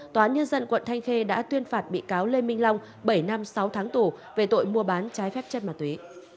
tòa nhân dân quận thanh khê đã tuyên phạt bị cáo lê minh long bảy năm sáu tháng tù về tội mua bán trái phép chất ma túy